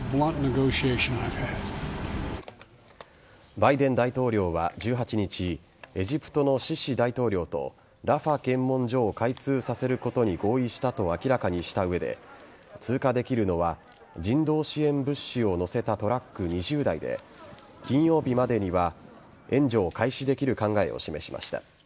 バイデン大統領は１８日エジプトのシシ大統領とラファ検問所を開通させることに合意したと明らかにした上で通過できるのは人道支援物資を載せたトラック２０台で金曜日までには援助を開始できる考えを示しました。